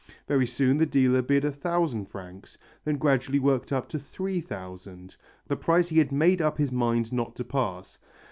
Very soon the dealer bid a thousand francs, then gradually worked up to three thousand, the price he had made up his mind not to pass.